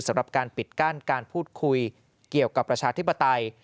สำหรับการปิดกั้นการพูดคุยเกี่ยวกับประชาธิปไตย